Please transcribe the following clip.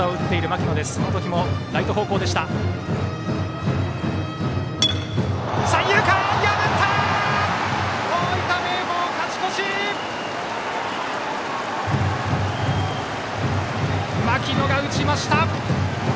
牧野が打ちました！